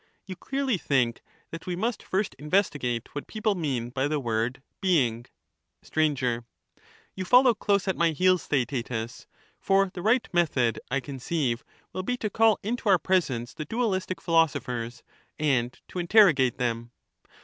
You clearly think; Let us that we must first investigate what people mean by the word ^^^JJ^Jj^ ' beillgJ — in the light Sir. You follow close at my heels, Theaetetus. For the ""^.^^^"^ right method, I conceive, will be to call into our presence the sopWes. dualistic philosophers and to interrogate them.